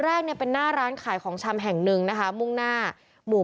แรกเนี่ยเป็นหน้าร้านขายของชำแห่งหนึ่งนะคะมุ่งหน้าหมู่